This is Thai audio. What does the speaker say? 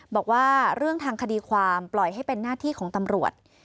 บอกว่าเรื่องทางคดีความปล่อยให้เป็นหน้าที่ของตำรวจ